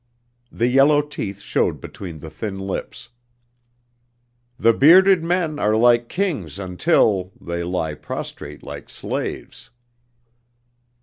The yellow teeth showed between the thin lips. "The bearded men are like kings until they lie prostrate like slaves."